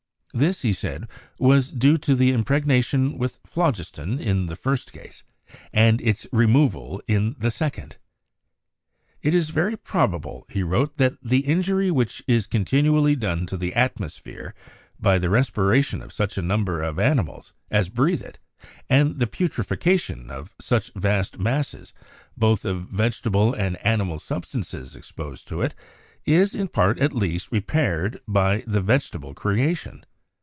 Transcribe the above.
This, he said, was due to the im pregnation with phlogiston in the first case, and its re moval in the second. "It is very probable," he wrote, "that the injury which is continually done to the atmos phere by the respiration of such a number of animals as breathe it, and the putrefaction of such vast masses, both of vegetable and animal substances exposed to it, is, in part at least, repaired by the vegetable creation."